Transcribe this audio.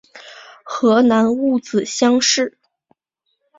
河南戊子乡试。